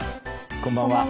こんばんは。